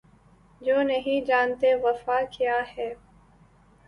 جو نہیں جانتے وفا کیا ہے